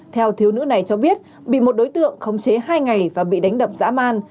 theo thiếu nữ này cho biết bị một đối tượng khống chế hai ngày và bị đánh đập dã man